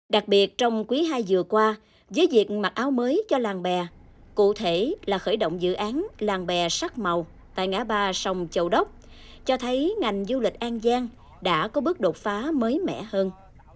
đặc biệt trong quý ii vừa qua với việc mặc áo mới cho làng bè cụ thể là khởi động dự án làng bè sắc màu tại ngã ba sông châu đốc cho thấy ngành du lịch an giang đã có bước đột phá mới mẻ hơn